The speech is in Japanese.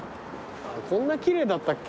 こんな奇麗だったっけ？